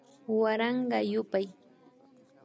Waranka yupay